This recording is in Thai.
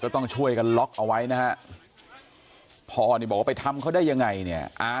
แค้นเหล็กเอาไว้บอกว่ากะจะฟาดลูกชายให้ตายเลยนะ